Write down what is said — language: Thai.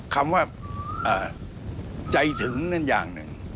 คำว่าใจถึงนั่นอย่างหนึ่ง